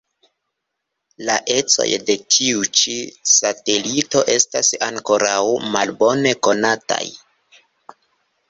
La ecoj de tiu-ĉi satelito estas ankoraŭ malbone konataj.